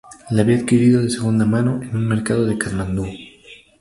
La había adquirido de segunda mano en un mercado de Katmandú.